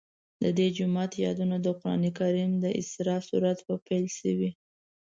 د دې جومات یادونه د قرآن کریم د اسراء سورت په پیل کې شوې.